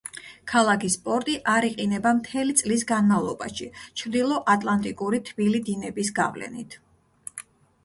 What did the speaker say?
ქალაქის პორტი არ იყინება მთელი წლის განმავლობაში ჩრდილო ატლანტიკური თბილი დინების გავლენით.